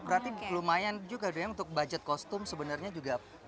berarti lumayan juga deh untuk budget kostum sebenarnya juga